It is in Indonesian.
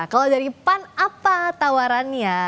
kalau dari pan apa tawarannya